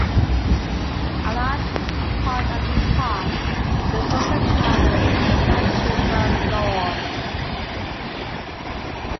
A large part of the park is also covered by Right to Roam laws.